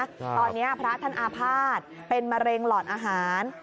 ตอนนี้พระท่านอาภาษณ์เป็นมะเร็งหลอดอาหาร